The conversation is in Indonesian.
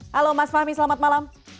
halo mas fahmi selamat malam